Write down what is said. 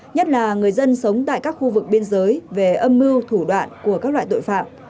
nhất là người dân sống tại các khu vực biên giới về âm mưu thủ đoạn của các loại tội phạm